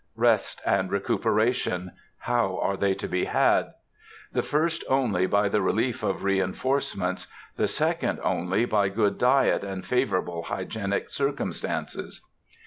Rest and recuperation,—how are they to be had? The first only by the relief of reinforcements; the second only by good diet and favorable hygienic circumstances.